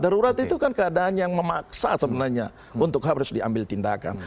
darurat itu kan keadaan yang memaksa sebenarnya untuk harus diambil tindakan